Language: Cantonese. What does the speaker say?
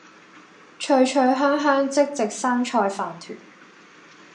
脆脆香香即席山菜飯糰